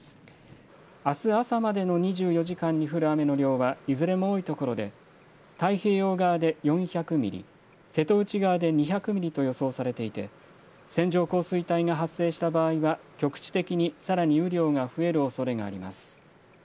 あす朝までの２４時間に降る雨の量は、いずれも多い所で太平洋側で４００ミリ、瀬戸内側で２００ミリと予想されていて、線状降水帯が発生した場合は、局地的にさらに雨量が増えるおそれがあります。